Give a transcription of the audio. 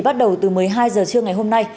bắt đầu từ một mươi hai h trưa ngày hôm nay